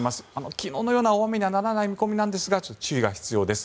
昨日のような大雨にはならない見込みですが注意が必要です。